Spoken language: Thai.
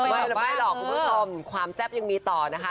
ไม่หรอกคุณผู้ชมความแซ่บยังมีต่อนะคะ